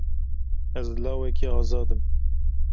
Ez lawekî azad im.